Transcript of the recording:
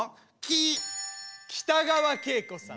北川景子さん。